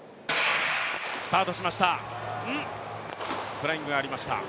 フライングがありました。